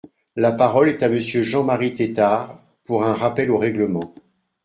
La parole est à Monsieur Jean-Marie Tetart, pour un rappel au règlement.